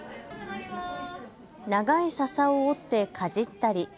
長いささを折ってかじったり。